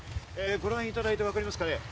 ご覧いただいて、わかりますかね。